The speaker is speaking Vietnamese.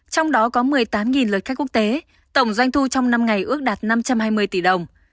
trong đó có một mươi tám lượt khách quốc tế tổng doanh thu trong năm ngày ước đạt năm trăm hai mươi tỷ đồng